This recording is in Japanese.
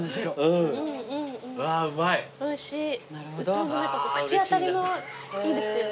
器の口当たりもいいですよね。